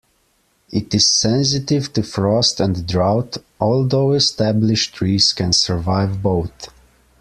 It is sensitive to frost and drought, although established trees can survive both.